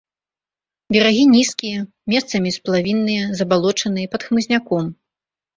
Берагі нізкія, месцамі сплавінныя, забалочаныя, пад хмызняком.